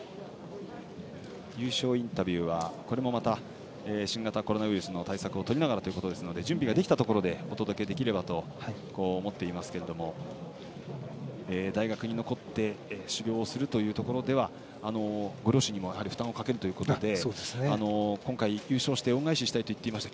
優勝インタビューはこれもまた新型コロナウイルスの対策をとりながらということですので準備ができたところでお届けできればと思っていますが大学に残って修業するというところではご両親にも負担をかけるということで今回、優勝して恩返ししたいと言っていました。